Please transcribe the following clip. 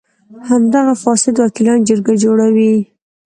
همدغه فاسد وکیلان جرګه جوړوي.